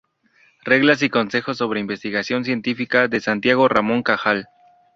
Reglas y consejos sobre investigación científica", de Santiago Ramón y Cajal.